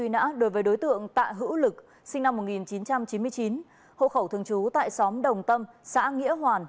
nhóm đồng tâm xã nghĩa hoàn